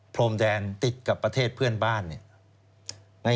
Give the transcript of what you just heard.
พรมแดนติดกับประเทศเพื่อนบ้านเนี่ย